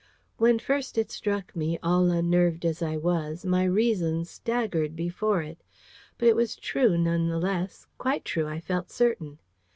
When first it struck me, all unnerved as I was, my reason staggered before it. But it was true, none the less: quite true, I felt certain.